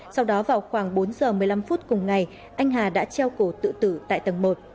sau đó vào khoảng bốn giờ một mươi năm phút cùng ngày anh hà đã treo cổ tự tử tại tầng một